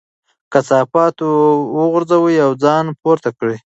کثافات وغورځوئ او ځان پورته کړئ.